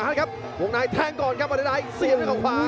อ่าครับวงนายแทงก่อนครับบาเดอร์ไดด์เสียด้วยเขาขวา